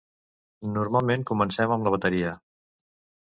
"Normalment comencem amb la bateria."